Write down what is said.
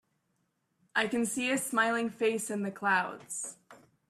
I can see a smiling face in the clouds.